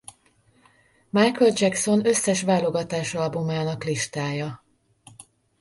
Michael Jackson összes válogatásalbumának listája.